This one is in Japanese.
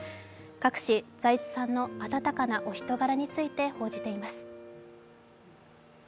各紙、財津さんの温かなお人柄について報じています。